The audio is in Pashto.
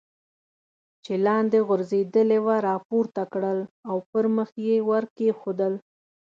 چې لاندې غورځېدلې وه را پورته کړل او پر مخ یې ور کېښودل.